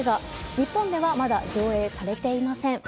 日本ではまだ上映されていません。